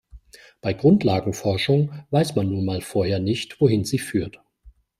Bei Grundlagenforschung weiß man nun mal vorher nicht, wohin sie führt.